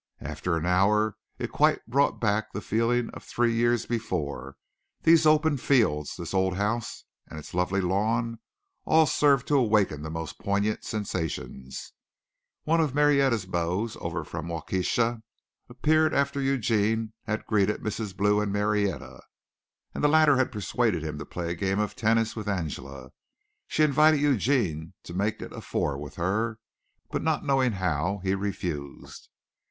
After an hour it quite brought back the feeling of three years before. These open fields, this old house and its lovely lawn, all served to awaken the most poignant sensations. One of Marietta's beaux, over from Waukesha, appeared after Eugene had greeted Mrs. Blue and Marietta, and the latter persuaded him to play a game of tennis with Angela. She invited Eugene to make it a four with her, but not knowing how he refused.